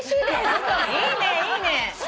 いいねいいね！